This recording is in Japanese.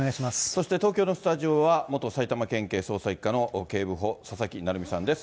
そして東京のスタジオは、元埼玉県警捜査１課の警部補、佐々木成三さんです。